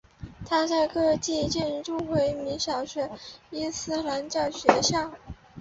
他在各地建设回民小学和伊斯兰教学校。